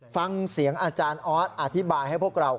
ฟังเสียงอาจารย์ออสอธิบายให้พวกเรา